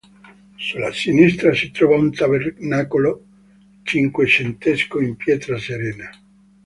Sulla sinistra si trova un tabernacolo cinquecentesco in pietra serena.